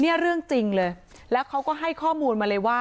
เนี่ยเรื่องจริงเลยแล้วเขาก็ให้ข้อมูลมาเลยว่า